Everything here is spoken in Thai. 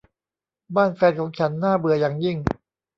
บ้านแฟนของฉันน่าเบื่ออย่างยิ่ง